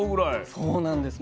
そうなんです。